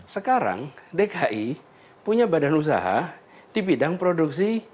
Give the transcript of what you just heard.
sekarang dki punya badan usaha di bidang produksi